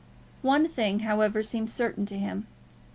One thing, however, seemed certain to him.